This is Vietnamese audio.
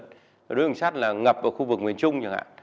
đối với đường sắt là ngập ở khu vực miền trung chẳng hạn